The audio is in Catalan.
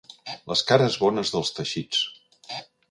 Les cares bones dels teixits.